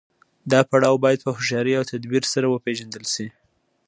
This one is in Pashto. دا پړاو باید په هوښیارۍ او تدبیر سره وپیژندل شي.